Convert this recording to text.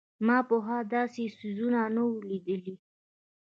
ما پخوا داسې څيزونه نه وو لېدلي.